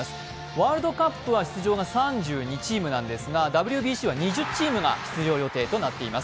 ワールドカップは出場が３２チームなんですが、ＷＢＣは２０チームが出場予定となっています。